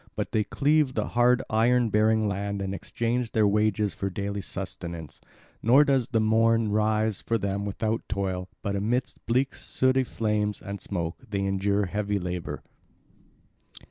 But they cleave the hard iron bearing land and exchange their wages for daily sustenance; never does the morn rise for them without toil, but amid bleak sooty flames and smoke they endure heavy labour.